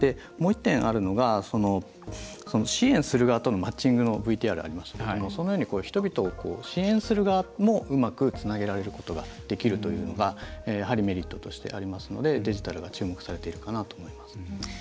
もう１点あるのが支援する側とのマッチングのＶＴＲありましたけどもそのように人々を支援する側もうまく、つなげられることができるというのが、やはりメリットとしてありますのでデジタルが注目されているかなと思います。